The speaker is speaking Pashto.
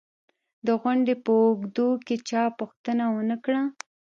د غونډې په اوږدو کې چا پوښتنه و نه کړه